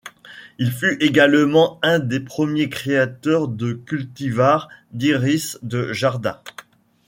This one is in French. Il fut également un des premiers créateurs de cultivars d'iris de jardin.